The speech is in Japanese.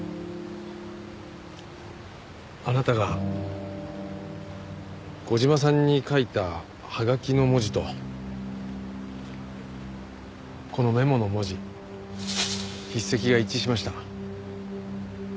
あなたが小島さんに書いたはがきの文字とこのメモの文字筆跡が一致しました。